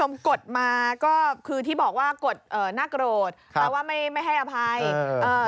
แล้วก็อยากให้เรื่องนี้จบไปเพราะว่ามันกระทบกระเทือนทั้งจิตใจของคุณครู